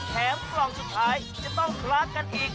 กล่องสุดท้ายจะต้องคลักกันอีก